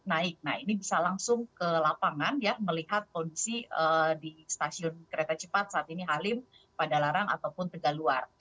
nah ini bisa langsung ke lapangan ya melihat kondisi di stasiun kereta cepat saat ini halim pada larang ataupun tegaluar